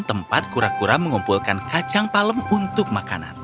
tempat kura kura mengumpulkan kacang palem untuk makanan